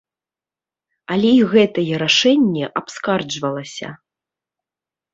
Але і гэтае рашэнне абскарджвалася!